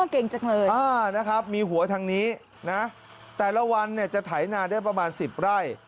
เก่งจังเลยนะครับมีหัวทางนี้นะแต่ละวันเนี่ยจะไถนาได้ประมาณ๑๐ไร่